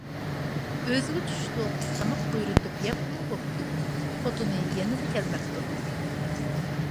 ئۆزىگە چۈشلۈك تاماق بۇيرۇتۇپ يەپمۇ بوپتۇ، خوتۇنى يەنىلا كەلمەپتۇ.